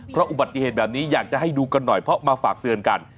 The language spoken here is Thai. เพราะอุบัติเหตุแบบนี้อยากจะให้ดูกันหน่อยเพราะมาฝากเตือนกัน